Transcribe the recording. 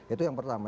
itu yang pertama